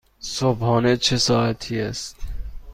صبحانه چه ساعتی است؟